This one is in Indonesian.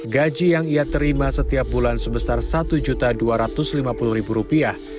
gaji yang ia terima setiap bulan sebesar satu juta dua rupiah